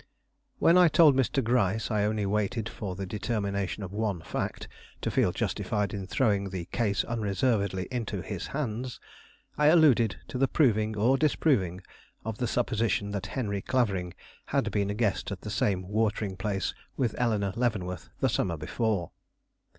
When I told Mr. Gryce I only waited for the determination of one fact, to feel justified in throwing the case unreservedly into his hands, I alluded to the proving or disproving of the supposition that Henry Clavering had been a guest at the same watering place with Eleanore Leavenworth the summer before.